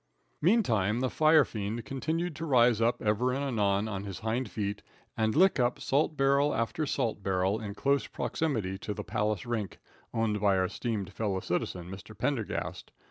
Meantime the firefiend continued to rise up ever and anon on his hind feet and lick up salt barrel after salt barrel in close proximity to the Palace rink, owned by our esteemed fellow citizen, Mr. Pendergast.